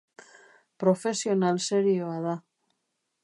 Profesional serioa da.